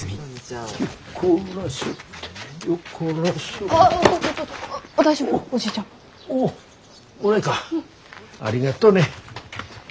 ありがとね。